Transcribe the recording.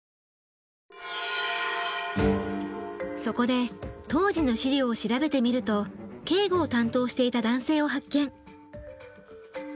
そこで当時の資料を調べてみると警護を担当していた男性を発見。